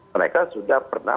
mereka sudah pernah